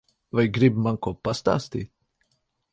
Vai gribi man ko pastāstīt?